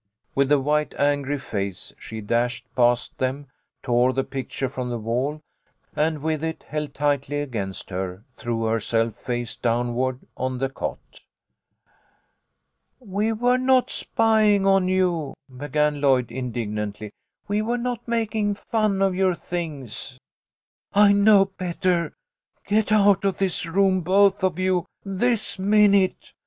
" With a white angry face she dashed past them, tore the picture from the wall, and with it held tightly against her threw herself face downward on the cot. " We were not spying on you," began Lloyd, indig nantly. " We were not making fun of your things !" "I know better. Get out of this room, both of you ! This minute